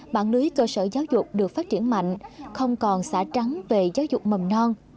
mạng lưới cơ sở giáo dục được phát triển mạnh không còn xả trắng về giáo dục mầm non